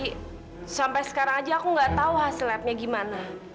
tapi sampai sekarang aja aku nggak tahu hasil labnya gimana